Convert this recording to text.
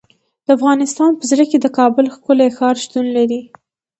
د افغانستان په زړه کې د کابل ښکلی ښار شتون لري.